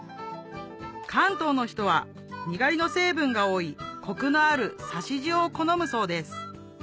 関東の人はにがりの成分が多いコクのある差塩を好むそうです